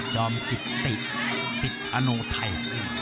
จอมกิติศิษภาณไทย